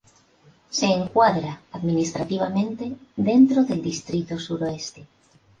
Se encuadra administrativamente dentro del distrito Suroeste.